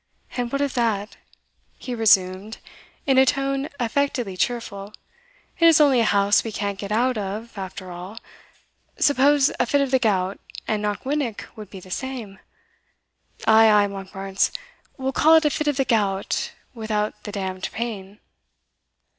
"And what of that?" he resumed, in a tone affectedly cheerful "it is only a house we can't get out of, after all Suppose a fit of the gout, and Knockwinnock would be the same Ay, ay, Monkbarns we'll call it a fit of the gout without the d d pain."